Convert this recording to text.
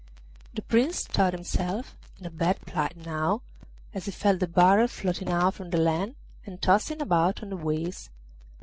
The Prince thought himself in a bad plight now, as he felt the barrel floating out from the land and tossing about on the waves.